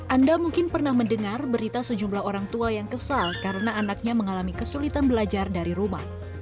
anda mungkin pernah mendengar berita sejumlah orang tua yang kesal karena anaknya mengalami kesulitan belajar dari rumah